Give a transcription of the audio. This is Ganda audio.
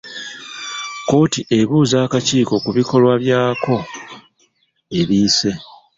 Kkooti ebuuza akakiiko ku bikolwa byako ebiyise.